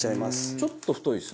ちょっと太いですね。